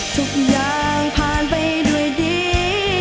ทุกอย่างผ่านไปด้วยดี